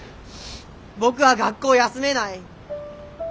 僕は学校休めない。